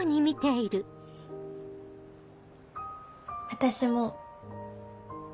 私も。